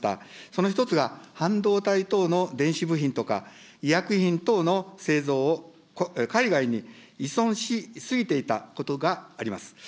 その１つが、半導体等の電子部品とか、医薬品等の製造を海外に依存すぎていたことがあります。